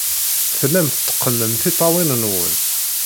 Tellam tetteqqnem tiṭṭawin-nwen.